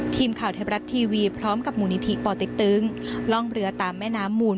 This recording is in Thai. ทีมข่าวไทยรัฐทีวีพร้อมกับมูลนิธิป่อเต็กตึงล่องเรือตามแม่น้ำมูล